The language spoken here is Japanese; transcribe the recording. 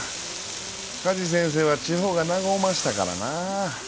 加地先生は地方が長うおましたからな。